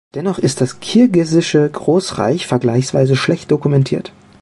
Dennoch ist das kirgisische Großreich vergleichsweise schlecht dokumentiert.